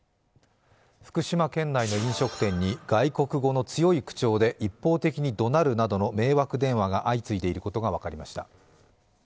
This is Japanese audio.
福島県内の飲食店に外国語の強い口調で一方的にどなるなどの迷惑電話が相次いでいることが分かりました。